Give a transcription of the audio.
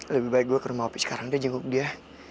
lebih baik gue ke rumah api sekarang udah jenguk dia